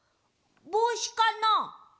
ぼうしかな？